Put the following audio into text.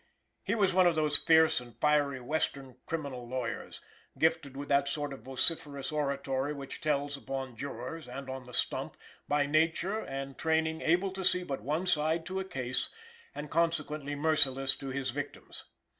He was one of those fierce and fiery western criminal lawyers, gifted with that sort of vociferous oratory which tells upon jurors and on the stump, by nature and training able to see but one side to a case and consequently merciless to his victims.